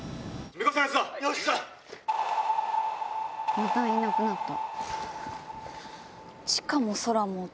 またいなくなった。